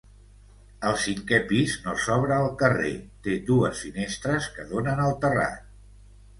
El cinquè pis no s'obre al carrer, té dues finestres que donen al terrat.